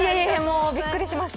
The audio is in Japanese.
びっくりしました。